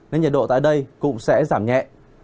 nên nhiệt độ tại đây cũng sẽ giảm nhẹ